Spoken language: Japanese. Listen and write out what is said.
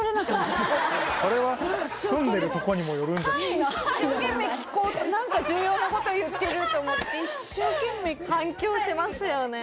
それは一生懸命聞こうと何か重要なこと言ってると思って一生懸命反響しますよね